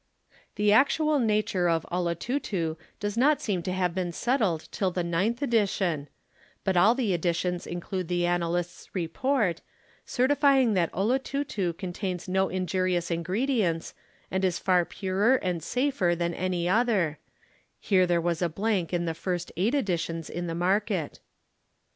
"'The actual nature of "Olotutu" does not seem to have been settled till the ninth edition, but all the editions include the analyst's report, certifying that "Olotutu" contains no injurious ingredients and is far purer and safer than any other (here there was a blank in the first eight editions in the market).